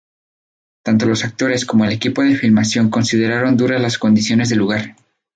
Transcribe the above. Tanto los actores como el equipo de filmación consideraron duras las condiciones del lugar.